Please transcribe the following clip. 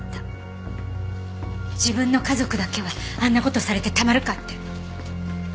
自分の家族だけはあんな事されてたまるかって。